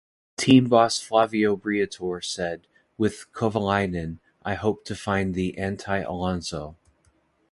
Team boss Flavio Briatore said: With Kovalainen, I hope to find the anti-Alonso.